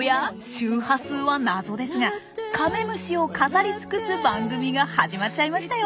周波数は謎ですがカメムシを語り尽くす番組が始まっちゃいましたよ。